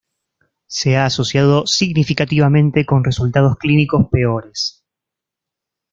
Se ha asociado significativamente con resultados clínicos peores.